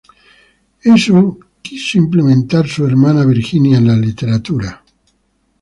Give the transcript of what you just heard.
Eso quiso implementar su hermana Virginia en la literatura.